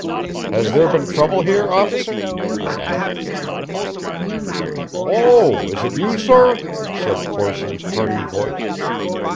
"Has there been trouble here, officer?" I asked. "Oh, is it you, sor?" said Corson's hearty voice.